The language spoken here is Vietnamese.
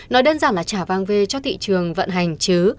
nói đơn giản là trả vàng về cho thị trường vận hành chứ